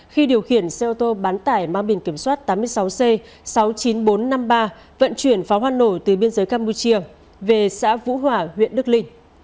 khi điều khiển xe ô tô bán tải mang biển kiểm soát tám mươi sáu c sáu mươi chín nghìn bốn trăm năm mươi ba vận chuyển pháo hoa nổ từ biên giới campuchia về xã vũ hỏa huyện đức linh